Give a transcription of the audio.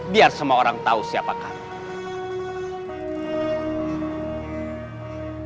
biar semua orang tahu siapa kami